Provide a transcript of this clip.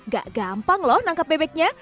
gak gampang lho tangkap bebeknya